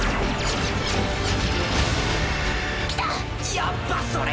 やっぱそれかよ。